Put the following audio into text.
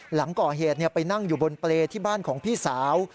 หลังก่อเหตุไปนั่งอยู่บนเปรย์ที่บ้านของพี่สาว